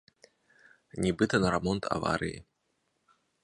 Нібыта, на рамонт аварыі.